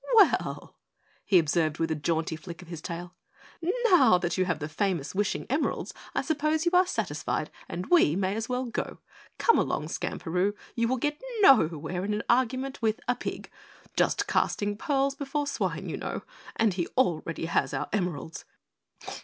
"Well," he observed with a jaunty flick of his tail, "now that you have the famous wishing emeralds, I suppose you are satisfied and we may as well go. Come along, Skamperoo, you will get nowhere in an argument with a pig. Just casting pearls before swine, you know, and he already has our emeralds!"